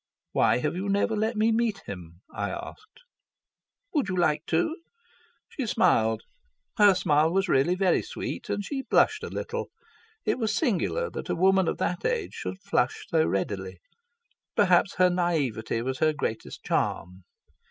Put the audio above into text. "Why have you never let me meet him?" I asked. "Would you like to?" She smiled, her smile was really very sweet, and she blushed a little; it was singular that a woman of that age should flush so readily. Perhaps her naivete was her greatest charm.